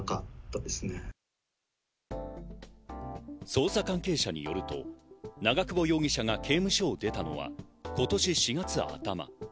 捜査関係者によると、長久保容疑者が刑務所を出たのは今年４月頭。